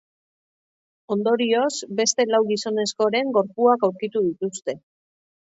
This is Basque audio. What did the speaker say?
Ondorioz, beste lau gizonezkoren gorpuak aurkitu dituzte.